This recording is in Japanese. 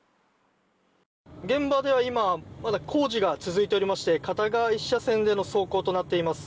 現場では今まだ工事が続いておりまして片側１車線での走行となっています。